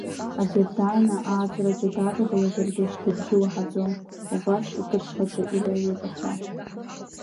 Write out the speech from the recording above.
Аӡәыр дааины ааҵраҿы давагылазаргьы, шьҭыбжьы уаҳауам, убас икыдхаҽа илеиуеит ақәа.